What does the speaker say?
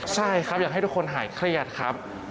ใช่ครับอยากให้ทุกคนหายเครียดครับ